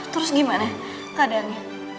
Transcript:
terus gimana keadaannya